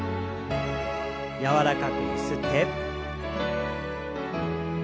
柔らかくゆすって。